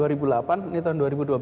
ini tahun dua ribu dua belas